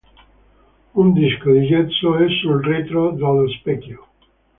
Un disco di gesso è sul retro dello specchio.